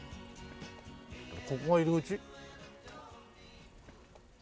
ここが入り口？